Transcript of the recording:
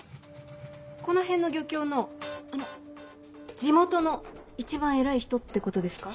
この辺の漁協のあの地元の一番偉い人ってことですか？